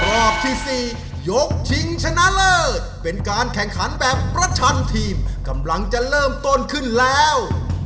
รอบที่๔ยกชิงชนะเลิศเป็นการแข่งขันแบบประชันทีมกำลังจะเริ่มต้นขึ้นแล้ว